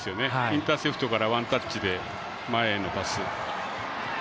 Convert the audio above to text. インターセプトからワンタッチで前へのパス。